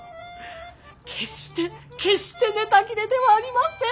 決して決してネタ切れではありません。